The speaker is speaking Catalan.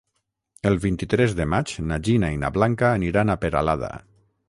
El vint-i-tres de maig na Gina i na Blanca aniran a Peralada.